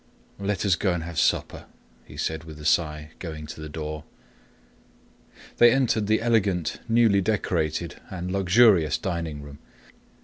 "Let us go and have supper," he said with a sigh, going to the door. They entered the elegant, newly decorated, and luxurious dining room.